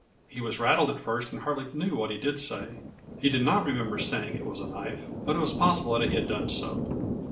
He was rattled at first and hardly knew what he did say. He did not remember saying it was a knife, but it was possible that he had done so.